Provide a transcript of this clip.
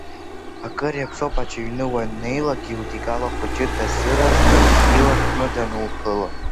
Акыр иаԥсоуп, аӡә иҩны уаннеилак, иудигало ахәыҷы дазыразны, ила хтны дануԥыло.